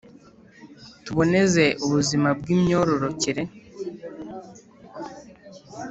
Tuboneze ubuzima bw’ imyororokere.